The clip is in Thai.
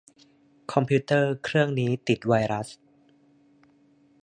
คอมพิวเตอร์เครื่องนี้ติดไวรัส